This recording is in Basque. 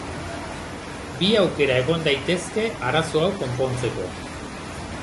Bi aukera egon daitezke arazo hau konpontzeko.